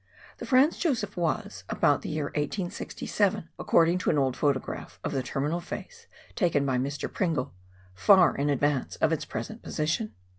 The Franz Josef was, about the year 1867 — according to an old photograph of the terminal face taken by Mr. Pringle — far in advance of its present position.